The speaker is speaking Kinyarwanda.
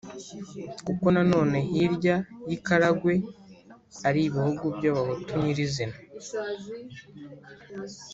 kuko nanone hirya y’ikaragwe ari ibihugu by’abahutu nyirizina!”